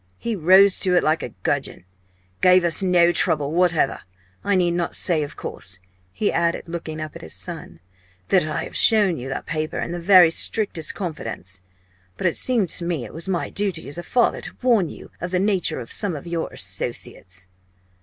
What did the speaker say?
He rose to it like a gudgeon gave us no trouble whatever. I need not say, of course" he added, looking up at his son "that I have shown you that paper in the very strictest confidence. But it seemed to me it was my duty as a father to warn you of the nature of some of your associates!"